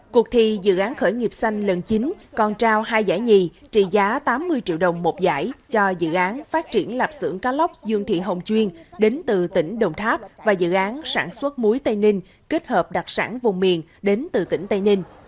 cuộc thi dự án khởi nghiệp xanh lần chín còn trao hai giải nhì trị giá tám mươi triệu đồng một giải cho dự án phát triển lạp sưởng cá lóc dương thị hồng chuyên đến từ tỉnh đồng tháp và dự án sản xuất muối tây ninh kết hợp đặc sản vùng miền đến từ tỉnh tây ninh